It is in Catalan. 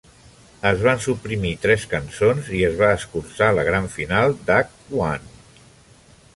Es van suprimir tres cançons i es va escurçar la gran final d'Act One.